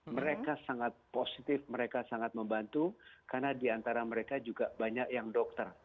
mereka sangat positif mereka sangat membantu karena di antara mereka juga banyak yang dokter